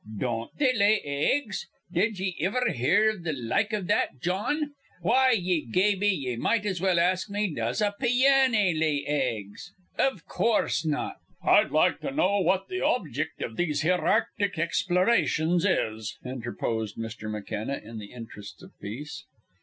"Don't they lay eggs? Did ye iver hear th' like iv that, Jawn? Why, ye gaby, ye might as well ask me does a pianny lay eggs. Iv coorse not." "I'd like to know what the objict of these here arctic explorations is," interposed Mr. McKenna, in the interests of peace.